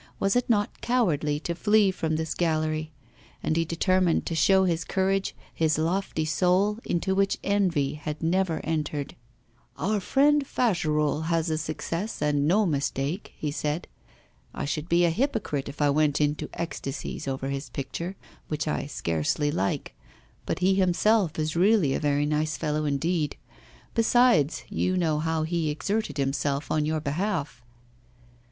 Was it not cowardly to flee from this gallery? And he determined to show his courage, his lofty soul, into which envy had never entered. 'Our friend Fagerolles has a success and no mistake,' he said. 'I should be a hypocrite if I went into ecstasies over his picture, which I scarcely like; but he himself is really a very nice fellow indeed. Besides, you know how he exerted himself on your behalf.